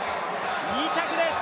２着です。